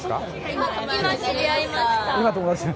今、知り合いました！